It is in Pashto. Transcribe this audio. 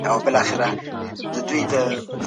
ښه چلند مو د ژوند د هر کار لپاره یو ښه پیل دی.